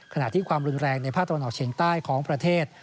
ขณะที่ความรุนแรงในภาคตะวันออกเฉียงใต้ของประเทศ